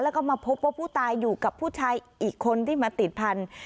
แล้วก็มาพบว่าผู้ตายอยู่กับผู้ชายอีกคนที่มาติดพันธุ์